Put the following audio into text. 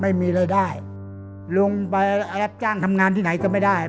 ไม่มีรายได้ลุงไปรับจ้างทำงานที่ไหนก็ไม่ได้